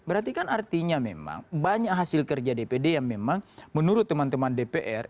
berarti kan artinya memang banyak hasil kerja dpd yang memang menurut teman teman dpr